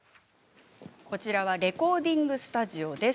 こちらはレコーディングスタジオ。